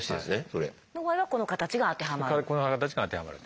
その場合はこの形が当てはまる？